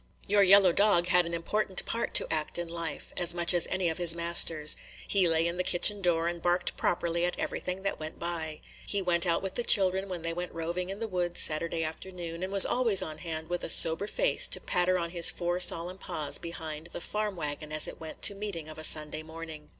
Your yellow dog had an important part to act in life, as much as any of his masters. He lay in the kitchen door and barked properly at everything that went by. He went out with the children when they went roving in the woods Saturday afternoon, and was always on hand with a sober face to patter on his four solemn paws behind the farm wagon as it went to meeting of a Sunday morning.